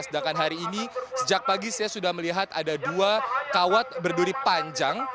sedangkan hari ini sejak pagi saya sudah melihat ada dua kawat berduri panjang